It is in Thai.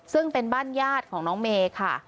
ซึ่งเป็นบ้านญาติของน้องเมย์ค่ะ